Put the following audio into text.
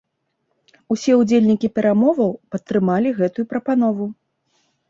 Усе ўдзельнікі перамоваў падтрымалі гэтую прапанову.